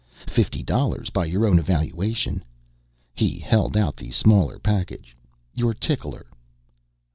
Fifty dollars by your own evaluation." He held out the smaller package. "Your tickler."